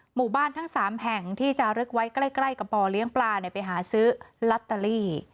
หมู่บ้านทั้ง๓แห่งที่จะลึกไว้ใกล้กับป่อเลี้ยงปลาไปหาซื้อลอตเตอรี่